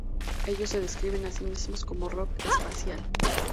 Ellos se describen a sí mismos como rock espacial.